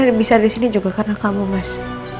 rena bisa ada di sini juga karena kamu mas